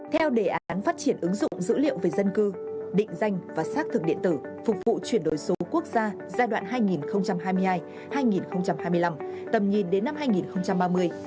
theo đề án phát triển ứng dụng dữ liệu về dân cư định danh và xác thực điện tử phục vụ chuyển đổi số quốc gia giai đoạn hai nghìn hai mươi hai hai nghìn hai mươi năm tầm nhìn đến năm hai nghìn ba mươi